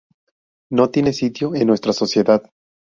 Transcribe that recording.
No tiene sitio en nuestra sociedad".